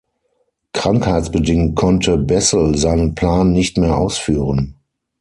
Krankheitsbedingt konnte Bessel seinen Plan nicht mehr ausführen.